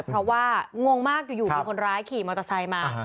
เพราะว่างงมากอยู่มีคนร้ายขี่มอเตอร์ไซค์มา